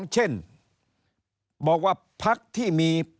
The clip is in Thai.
๒เช่นบอกว่าภักดิ์ที่มี